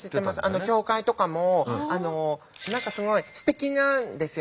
教会とかも何かすごいすてきなんですよ。